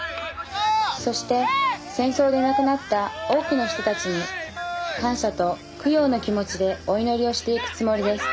そして戦争で亡くなった多くの人たちに感謝と供養の気持ちでお祈りをしていくつもりです。